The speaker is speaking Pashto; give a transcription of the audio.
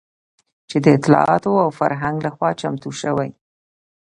چې د اطلاعاتو او فرهنګ لخوا چمتو شوى